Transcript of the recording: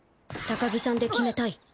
高木さんで決めたい。